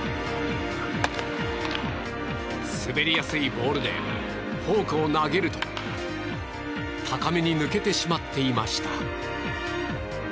滑りやすいボールでフォークを投げると高めに抜けてしまっていました。